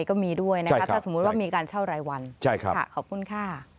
ขอบคุณค่ะ